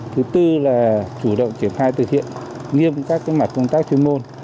thứ tư là chủ động triển khai thực hiện nghiêm các mặt công tác chuyên môn